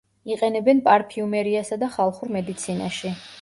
იყენებენ პარფიუმერიასა და ხალხურ მედიცინაში.